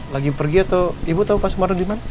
lagi pergi atau ibu tau pak sumarno dimana